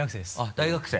大学生？